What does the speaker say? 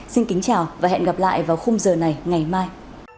xin kính chào và hẹn gặp lại vào khung giờ này ngày mai